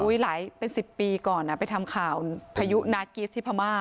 หลายเป็น๑๐ปีก่อนไปทำข่าวพายุนากิสที่พม่า